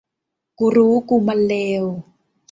กูรู้ กูมันเลว